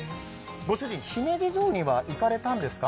ご主人、姫路城には行かれたんですか？